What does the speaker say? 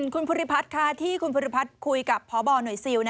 คุณภูริพัฒน์ค่ะที่คุณภูริพัฒน์คุยกับพบหน่วยซิล